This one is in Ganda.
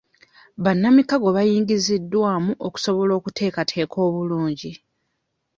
Bannamikago bayingiziddwamu okusobola okuteekateeka obulungi.